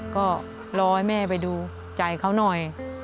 ก็รอให้แม่ไปดูใจเขาหน่อย